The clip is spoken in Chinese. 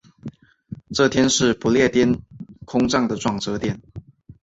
这天是不列颠空战的转折点。